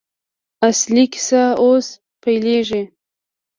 اصلي کیسه اوس پیلېږي.